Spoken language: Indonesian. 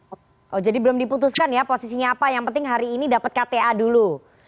oke jadi belum diputuskan ya posisinya apa yang penting hari ini dapat kta dulu